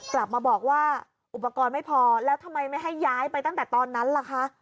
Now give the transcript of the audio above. กลับมาบอกว่าอุปกรณ์ไม่พอแล้วทำไมไม่ให้ย้ายไปตั้งแต่ตอนนั้นล่ะคะ